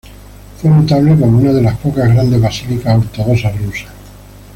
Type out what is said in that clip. Fue notable como una de las pocas grandes basílicas ortodoxas rusas.